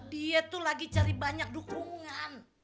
dia tuh lagi cari banyak dukungan